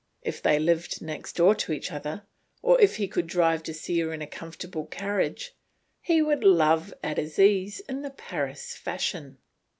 If they lived next door to each other, or if he could drive to see her in a comfortable carriage, he would love at his ease in the Paris fashion.